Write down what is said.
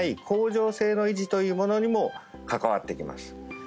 恒常性の維持というものにも関わってきます